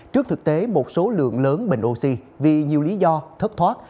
trước thực tế một số lượng lớn bình oxy vì nhiều lý do thất thoát